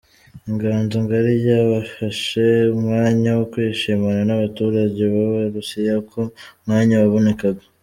Inganzo Ngari ryafashe umwanya wo kwishimana n’abaturage b’Abarusiya uko umwanya wabonekaga.